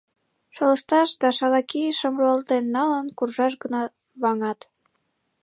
Шолышташ да шала кийышым руалтен налын куржаш гына ваҥат.